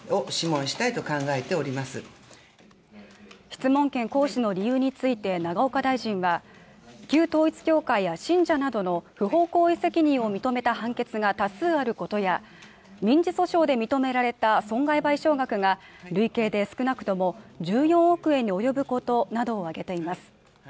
質問権行使の理由について永岡大臣は旧統一教会や信者などの不法行為責任を認めた判決が多数あることや民事訴訟で認められた損害賠償額が累計で少なくとも１４億円に及ぶことなどを挙げています